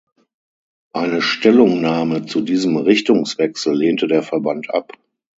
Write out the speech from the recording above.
Eine Stellungnahme zu diesem Richtungswechsel lehnte der Verband ab.